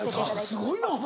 すごいなお前。